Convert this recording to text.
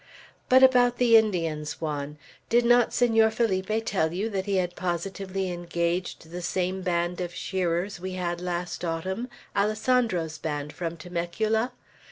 But about the Indians, Juan; did not Senor Felipe tell you that he had positively engaged the same band of shearers we had last autumn, Alessandro's band from Temecula?